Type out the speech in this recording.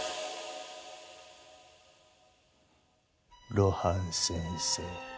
露伴先生。